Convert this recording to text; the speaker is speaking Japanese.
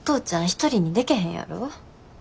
一人にでけへんやろ？